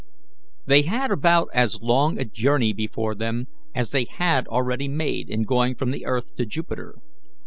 They had about as long a journey before them as they had already made in going from the earth to Jupiter.